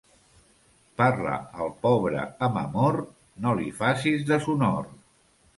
Parla al pobre amb amor, no li facis deshonor.